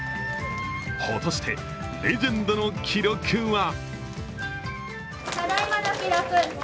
果たして、レジェンドの記録は？